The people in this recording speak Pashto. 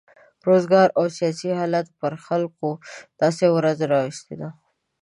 روزګار او سیاسي حالاتو پر خلکو داسې ورځ راوستې ده.